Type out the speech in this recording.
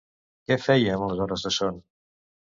Què feia amb les hores de son?